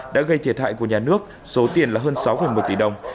đã gây thiệt hại của nhà nước số tiền là hơn sáu một tỷ đồng